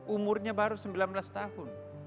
umurnya baru sembilan belas tahun